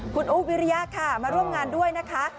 คุณอุ๊บวิริยะค่ะมาร่วมงานด้วยนะคะ